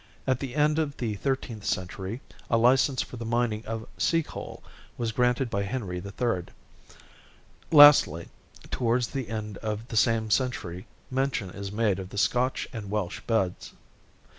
At the end of the thirteenth century, a license for the mining of "sea coal" was granted by Henry III. Lastly, towards the end of the same century, mention is made of the Scotch and Welsh beds.